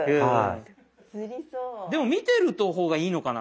でも見てる方がいいのかな。